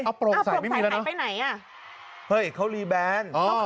เอาโปรงสายไปไหนละเนอะเห้ยเขารีแบน